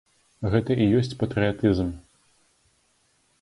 Гэта і ёсць патрыятызм.